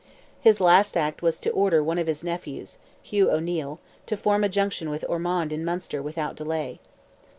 His last act was to order one of his nephews—Hugh O'Neil—to form a junction with Ormond in Munster without delay.